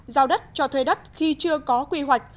giao đất cho thuê đất khi chưa có quy hoạch